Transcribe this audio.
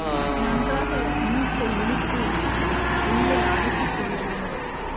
நன்றாக மூச்சையிழுத்து, உள்ளே அடக்கிக் கொள்ள வேண்டும்.